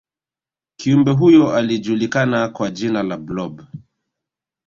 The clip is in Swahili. kiumbe huyo alijulikana kwa jina la blob